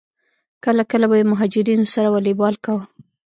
کله کله به یې مهاجرینو سره والیبال کاوه.